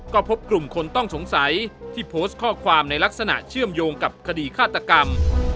ก็พบกลุ่มคนต้องสงสัยที่โพสต์ข้อความในลักษณะเชื่อมโยงกับคดีฆาตกรรม